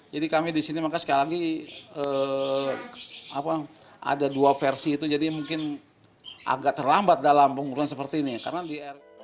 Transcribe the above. jadi kami di sini maka sekali lagi ada dua versi itu jadi mungkin agak terlambat dalam pengukuran seperti ini